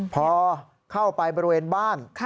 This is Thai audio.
พอเข้าไปบริเวณบ้าน